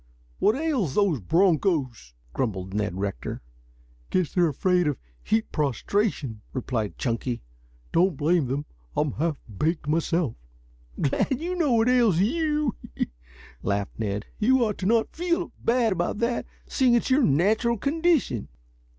"What ails these bronchos?" grumbled Ned Rector. "Guess they're afraid of heat prostration," replied Chunky. "Don't blame them. I'm half baked myself." "Glad you know what ails you," laughed Ned. "You ought not to feel bad about that, seeing it's your natural condition."